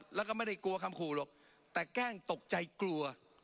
แล้วก็ไม่ได้กลัวคำขู่หรอกแต่แกล้งตกใจกลัว